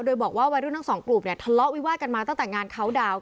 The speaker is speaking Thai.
โดยบอกว่าวัยรุ่นทั้งสองกลุ่มเนี่ยทะเลาะวิวาดกันมาตั้งแต่งานเขาดาวน์